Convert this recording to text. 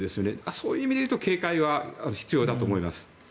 そういう意味でいうと警戒は必要だと思います。